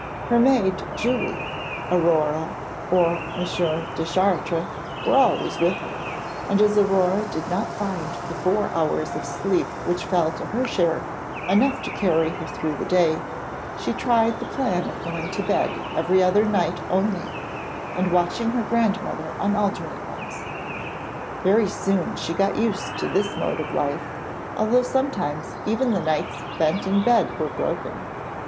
Her maid Julie, Aurore, or M. Deschartres were with her always, and as Aurore did not find the four hours of sleep which fell to her share enough to carry her through the day, she tried the plan of going to bed every other night only, and watching her grandmother on alternate ones. Very soon she got used to this mode of life, although sometimes even the nights spent in bed were broken.